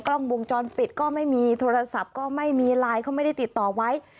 กล้องวงจรปิดก็ไม่มีโทรศัพท์ก็ไม่มีไลน์ก็ไม่ได้ติดต่อไว้